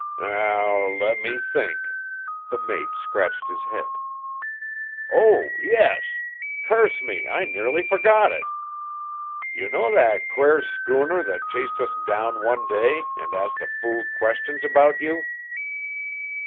"Now, let me think!" The mate scratched his head. "Oh, yes! Curse me, I nearly forgot it! You know that quair schooner that chased us down one day an' asked the fool questions about you?"